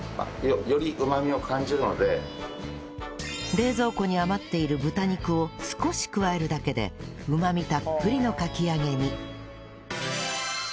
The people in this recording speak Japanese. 冷蔵庫に余っている豚肉を少し加えるだけでうまみたっぷりのかき揚げに